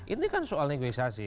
ini kan soal negosiasi